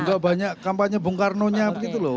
enggak banyak kampanye bung karno nya begitu loh